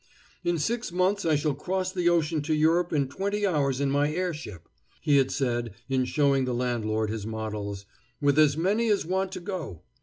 "In six months I shall cross the ocean to Europe in twenty hours in my air ship," he had said in showing the landlord his models, "with as many as want to go.